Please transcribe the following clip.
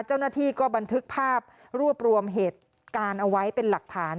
เจ้าหน้าที่ก็บันทึกภาพรวบรวมเหตุการณ์เอาไว้เป็นหลักฐาน